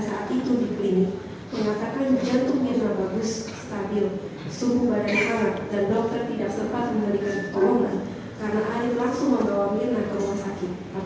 sehingga dalam mengambil keputusan kita berdasarkan kebutuhan tuhan yang maha esa